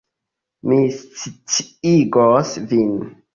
Mi sciigos vin.